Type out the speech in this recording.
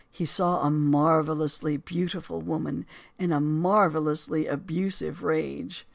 He saw a marvel ously beautiful woman in a marvelously abusive rage.